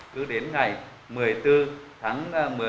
cứ đến ngày một mươi bốn tháng một mươi